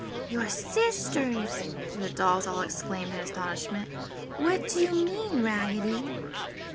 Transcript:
"Your SISTERS!" the dolls all exclaimed in astonishment, "What do you mean, Raggedy?"